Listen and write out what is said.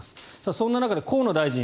そんな中で河野大臣